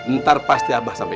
ntar pasti abah sampein